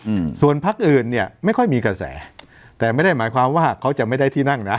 อืมส่วนพักอื่นเนี้ยไม่ค่อยมีกระแสแต่ไม่ได้หมายความว่าเขาจะไม่ได้ที่นั่งนะ